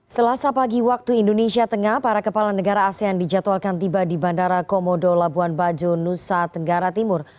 selasa pagi waktu indonesia tengah para kepala negara asean dijadwalkan tiba di bandara komodo labuan bajo nusa tenggara timur